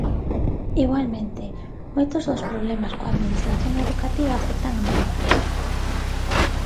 Igualmente, moitos dos problemas coa Administración educativa afectan a menores.